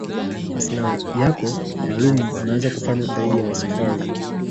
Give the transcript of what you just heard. maslahi yako maalum unaweza kufanya zaidi ya safari